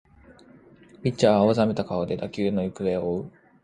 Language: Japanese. ピッチャーは青ざめた顔で打球の行方を追う